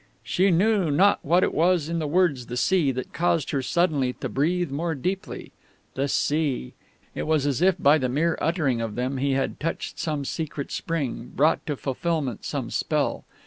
She knew not what it was in the words "the sea" that caused her suddenly to breathe more deeply. The sea!... It was as if, by the mere uttering of them, he had touched some secret spring, brought to fulfilment some spell.